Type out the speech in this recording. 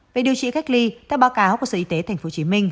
về điều trị cách ly theo báo cáo của sở y tế tp hcm